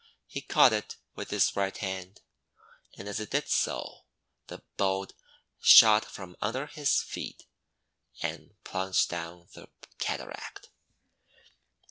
He caught it with his right hand, and as he did so, the boat shot from under his feet, and plunged down the cataract.